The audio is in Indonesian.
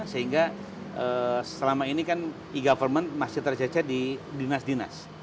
sehingga selama ini kan e government masih tercecet di dinas dinas